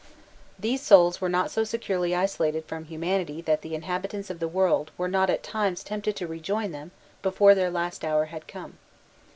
These souls were not so securely isolated from humanity that the inhabitants of the world were not at times tempted to rejoin them before their last hour had come.